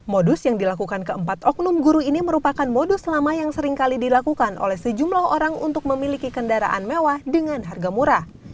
modus yang dilakukan keempat oknum guru ini merupakan modus lama yang seringkali dilakukan oleh sejumlah orang untuk memiliki kendaraan mewah dengan harga murah